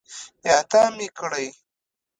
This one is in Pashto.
اعدام يې کړئ!